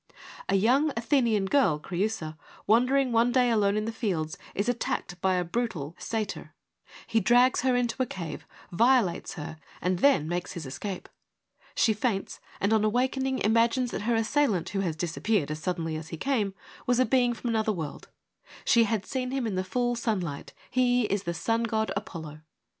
A young Athenian girl, Creusa, wandering one day alone in the fields is attacked by a brutal satyr. He drags her into a cave, violates her and then makes 120 FEMINISM IN GREEK LITERATURE his escape. She faints, and on awakening imagines that her assailant, who has disappeared as suddenly as he came, was a being from another world : she had seen him in the full sunlight ; he is the sun god Apollo.